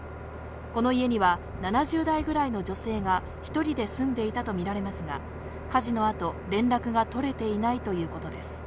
この家には７０代ぐらいの女性が１人で住んでいたとみられますが、火事の後、連絡が取れていないということです。